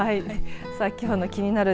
さあきょうのキニナル！